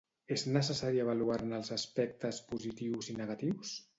És necessari avaluar-ne els aspectes positius i negatius?